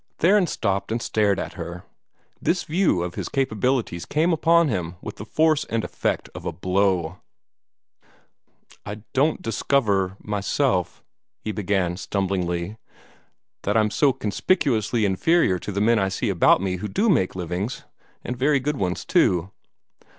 Theron stopped and stared at her. This view of his capabilities came upon him with the force and effect of a blow. "I don't discover, myself," he began stumblingly, "that I'm so conspicuously inferior to the men I see about me who do make livings, and very good ones, too."